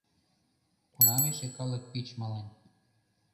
Кунам эше калык пич мален.